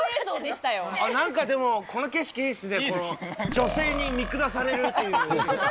なんかでも、この景色いいですね、この、女性に見下されるっていう。